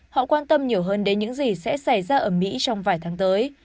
họ quan tâm nhiều hơn đến những gì sẽ xảy ra ở mỹ trong vài tháng tới